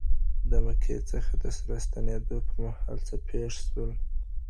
د مکي څخه د راستنېدو پر مهال څه پېښ سول؟